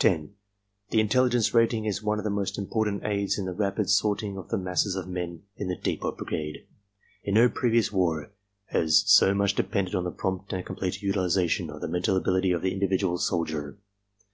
10. The intelligence rating is one of the most important aids in the rapid sorting of the masses of men in the Depot Brigade. In no previous war has so much depended on the prompt and complete utilization of the mental ability of the individual soldier.